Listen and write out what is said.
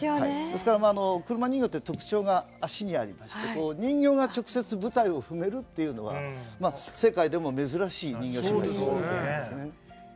ですから、車人形って特徴が足にありますけど人形が直接舞台を踏めるっていうのは世界でも珍しい人形ショーです。